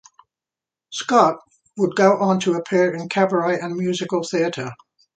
Scott would go on to appear in cabaret and musical theatre.